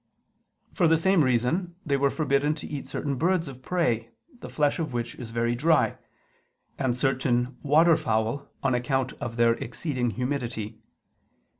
For the same reason they were forbidden to eat certain birds of prey the flesh of which is very dry, and certain water fowl on account of their exceeding humidity.